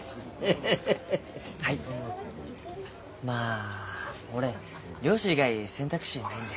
まあ俺漁師以外選択肢ないんで。